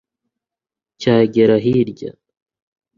cyagera hirya